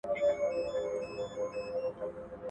اسلام د زغم او نرمۍ لارښوونه کوي.